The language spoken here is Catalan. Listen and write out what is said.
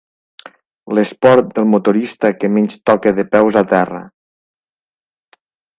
L'esport del motorista que menys toca de peus a terra.